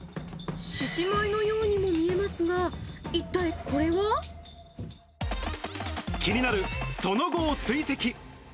獅子舞のようにも見えますが、気になるその後を追跡。